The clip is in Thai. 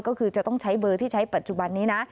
ก็คือจะต้องใช้เบอร์ที่ใช้ปัจจุบันนี้นะ